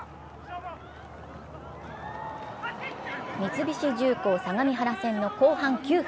三菱重工相模原戦の後半９分。